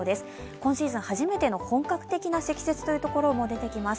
今シーズン初めての本格的な積雪となるところもあります。